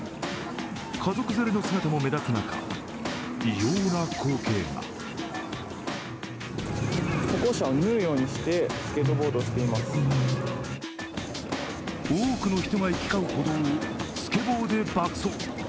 家族連れの姿も目立つ中異様な光景が多くの人が行き交う歩道をスケボーで爆走。